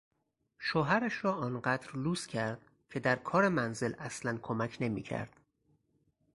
شوهرش را آنقدر لوس کرد که در کار منزل اصلا کمک نمیکرد.